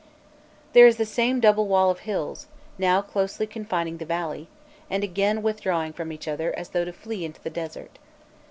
There is the same double wall of hills, now closely confining the valley, and again withdrawing from each other as though to flee into the desert.